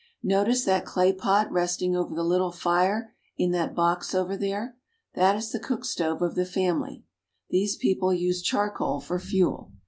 Notice that clay pot resting over the little fire in that box over there. That is the cook stove of the family. These people use charcoal for fuel.